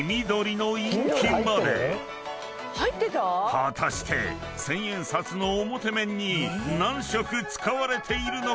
［果たして千円札の表面に何色使われているのか？］